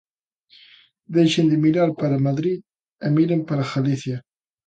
Deixen de mirar para Madrid e miren para Galicia.